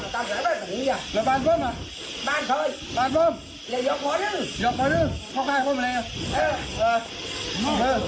ทุกคนออกมาออกมาอย่างนึกอย่างนี้ซุกก่อน